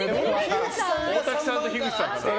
大瀧さんと樋口さん。